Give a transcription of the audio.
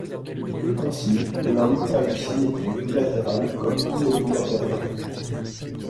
Ainsi, l'Homme a une symétrie bilatérale comme tous les Bilateria.